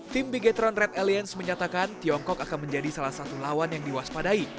tim bigetron red aliens menyatakan tiongkok akan menjadi salah satu lawan yang diwaspadai